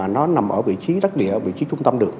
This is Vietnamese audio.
nằm ở vị trí đất địa vị trí trung tâm được